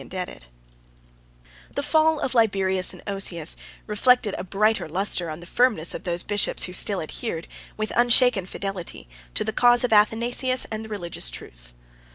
] The fall of Liberius and Osius reflected a brighter lustre on the firmness of those bishops who still adhered, with unshaken fidelity, to the cause of Athanasius and religious truth.